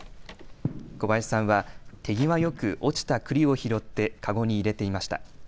小林さんは手際よく落ちたくりを拾って籠に入れていました。